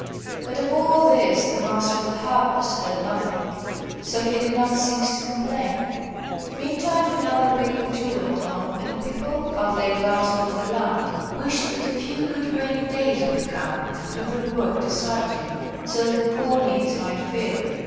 But of all this the Master of the Harvest heard nothing, so he did not cease to complain. Meantime another week or two went on, and people, as they glanced over the land, wished that a few good rainy days would come and do their work decidedly, so that the corn ears might fill.